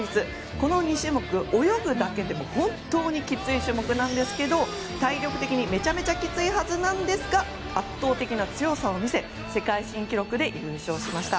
この２種目泳ぐだけでも本当にきつい種目なんですけど体力的にめちゃくちゃきついはずですが圧倒的な強さを見せ世界新記録で優勝しました。